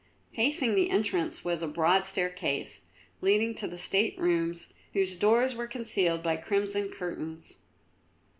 Facing the entrance was a broad staircase, leading to the state rooms whose doors were concealed by crimson curtains.